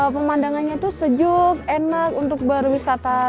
pemandangannya itu sejuk enak untuk berwisata